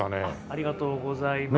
ありがとうございます。